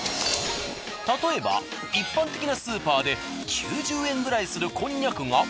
例えば一般的なスーパーで９０円くらいするこんにゃくが。